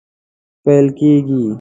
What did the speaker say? پیل کیږي